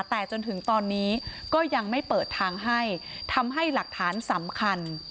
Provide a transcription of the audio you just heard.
แต่จนถึงตอนนี้ก็ยังไม่เปิดทางให้ทำให้หลักฐานสำคัญ